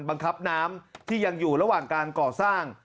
บังคับน้ำที่ยังอยู่ระหว่างการก่อสร้าง